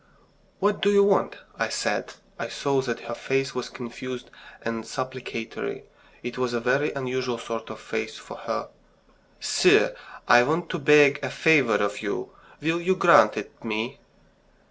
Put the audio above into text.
"What do you want?" I said. I saw that her face was confused and supplicatory... It was a very unusual sort of face for her. "Sir! I want to beg a favour of you. Will you grant it me?"